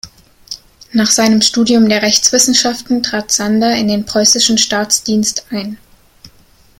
Nach seinem Studium der Rechtswissenschaften trat Sander in den preußischen Staatsdienst ein.